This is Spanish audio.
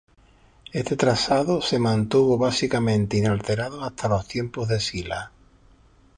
Este trazado se mantuvo básicamente inalterado hasta los tiempos de Sila.